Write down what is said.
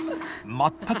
全く。